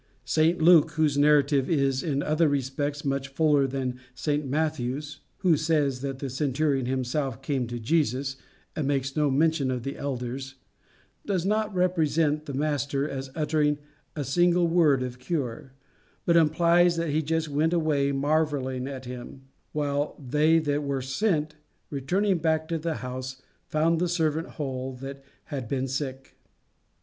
St Luke, whose narrative is in other respects much fuller than St Matthew's (who says that the centurion himself came to Jesus, and makes no mention of the elders), does not represent the Master as uttering a single word of cure, but implies that he just went away marvelling at him; while "they that were sent, returning to the house, found the servant whole that had been sick."